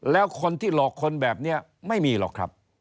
แล้วคนที่หลอกคนแบบนี้ไม่มีหรอกครับ